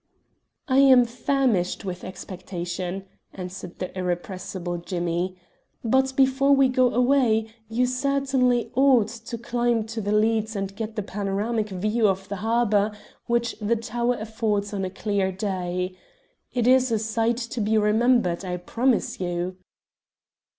"I am famished with expectation," answered the irrepressible Jimmy, "but before we go away you certainly ought to climb to the leads and get the panoramic view of the harbour which the tower affords on a clear day. It is a sight to be remembered, I promise you."